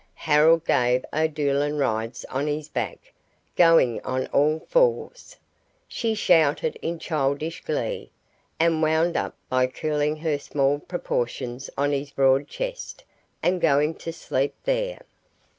Harold gave O'Doolan rides on his back, going on all fours. She shouted in childish glee, and wound up by curling her small proportions on his broad chest, and going to sleep there.